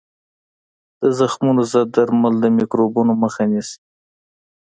د زخمونو ضد درمل د میکروبونو مخه نیسي.